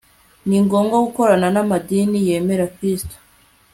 ni ngombwa gukorana n'amadini yemera kristo